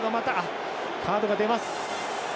カードが出ます。